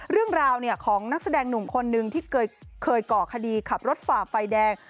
เรื่องราวของนักแสดงหนุ่มคนนึงที่เคยก่อคดีขับรถฝ่าไฟแดง